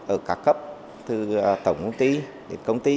ở các cấp từ tổng công ty đến công ty